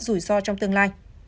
giảm bớt rủi ro trong tương lai